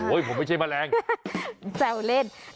ผมไม่ใช่แมลงแซวเล่น